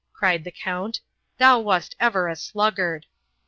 cried the Count; "thou wast ever a sluggard."